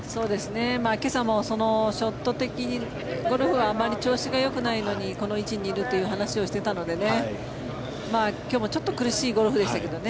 今朝もショット的にゴルフはあまり調子がよくないのにこの位置にいると話していたので今日もちょっと苦しいゴルフでしたけどね。